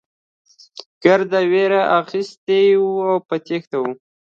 ګرد وېرې اخيستي او په تېښته وو.